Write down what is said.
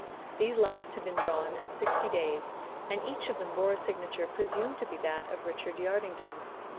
These last had been drawn at sixty days, and each of them bore a signature presumed to be that of Richard Yardington.